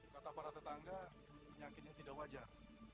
kata para tetangga penyakitnya tidak wajar